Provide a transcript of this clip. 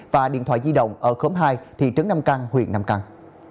và điện thoại di động ở khóm hai thị trấn nam căng huyện nam căng